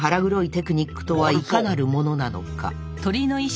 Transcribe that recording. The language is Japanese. テクニックとはいかなるものなのか？